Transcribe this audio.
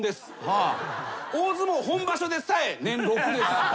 大相撲本場所でさえ年６です。